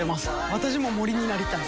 私も森になりたい。